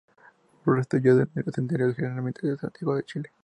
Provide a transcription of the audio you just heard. Sus restos yacen en el Cementerio General de Santiago de Chile.